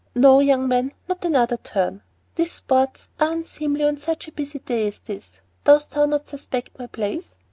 No, young man, not another turn. These sports are unseemly on such a busy day as this. 'Dost thou not suspect my place?